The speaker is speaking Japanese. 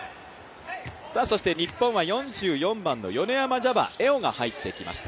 そして日本は４４番の米山ジャバ偉生が入ってきました。